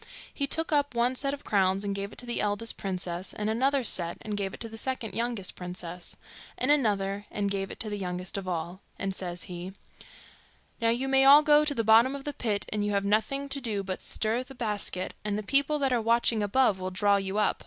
He took up one set of crowns, and gave it to the eldest princess; and another set, and gave it to the second youngest princess; and another, and gave it to the youngest of all; and says he, 'Now you may all go to the bottom of the pit, and you have nothing to do but stir the basket, and the people that are watching above will draw you up.